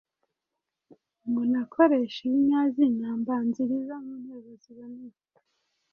munakoreshe ibinyazina mbanziriza mu nteruro ziboneye.